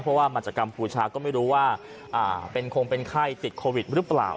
เพราะว่ามาจากกัมพูชาก็ไม่รู้ว่าเป็นคงเป็นไข้ติดโควิดหรือเปล่า